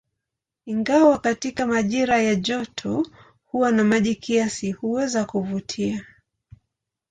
Ingawa katika majira ya joto huwa na maji kiasi, huweza kuvutia.